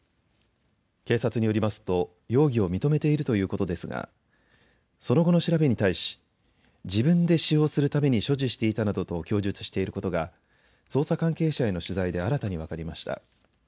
警察によりますと容疑を認めているということですがその後の調べに対し自分で使用するために所持していたなどと供述していることが捜査関係者への取材で新たに分かりました。